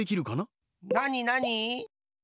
なになに？